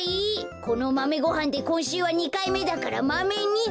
このマメごはんでこんしゅうは２かいめだからマメ２だ！